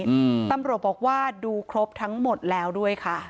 อืมตำรวจบอกว่าดูครบทั้งหมดแล้วด้วยค่ะ